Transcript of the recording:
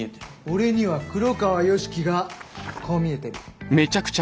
俺には黒川良樹がこう見えてる。